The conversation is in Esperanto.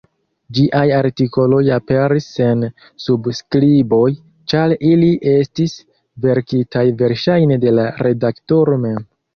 Ĝiaj artikoloj aperis sen subskriboj, ĉar ili estis verkitaj verŝajne de la redaktoro mem.